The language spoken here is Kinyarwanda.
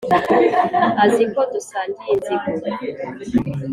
azi ko dusangiye inzigo.